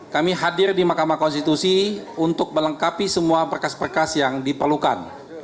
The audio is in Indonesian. kami hadir di mahkamah konstitusi untuk melengkapi semua berkas berkas yang diperlukan